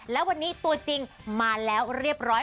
และวันนี้ตัวจริงมาแล้วเรียบร้อย